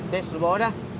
tis lo bawa dah